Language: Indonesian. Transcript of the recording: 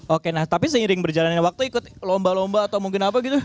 oke nah tapi seiring berjalannya waktu ikut lomba lomba atau mungkin apa gitu